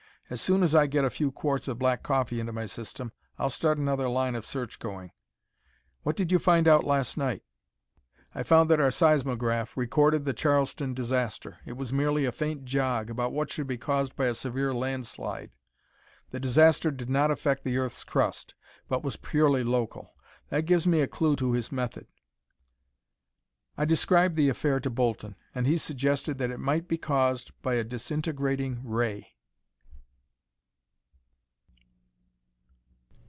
As soon as I get a few quarts of black coffee into my system, I'll start another line of search going." "What did you find out last night?" "I found that our seismograph recorded the Charleston disaster. It was merely a faint jog, about what should be caused by a severe landslide. The disaster did not affect the earth's crust, but was purely local. That gives me a clue to his method." "I described the affair to Bolton and he suggested that it might be caused by a disintegrating ray."